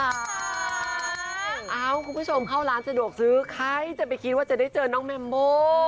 เอ้าคุณผู้ชมเข้าร้านสะดวกซื้อใครจะไปคิดว่าจะได้เจอน้องแมมโบ